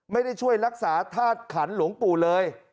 ไม่ได้ช่วยรักษาธาตุขันหลวงปู่เลย